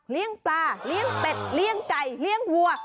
เลี่ยงปลาเลี่ยงเป็ดเลี่ยงไก่เลี่ยงวัว